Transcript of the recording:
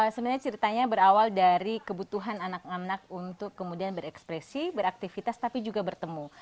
sebenarnya ceritanya berawal dari kebutuhan anak anak untuk kemudian berekspresi beraktivitas tapi juga bertemu